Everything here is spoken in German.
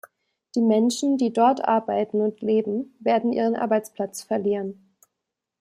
Die Menschen, die dort arbeiten und leben, werden ihren Arbeitsplatz verlieren.